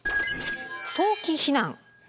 早期避難。